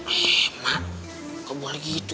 eh emak kok boleh gitu